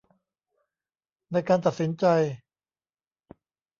ในการตัดสินใจ